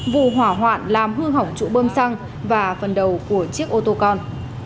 vụ hỏa hoạn làm hư hỏng trụ bơm xăng và phần đầu của chiếc ô tô con